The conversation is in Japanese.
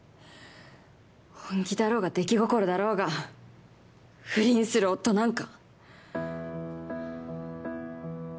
本気だろうが出来心だろうが不倫する夫なんか。